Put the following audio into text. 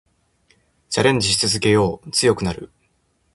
チャレンジし続けよう。強くなる。